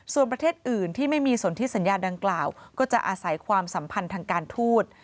ส่วนประเทศอื่นที่ไม่มีสนที่สัญญาดังกล่าวก็จะอาศัยความสัมพันธ์ทางการทูต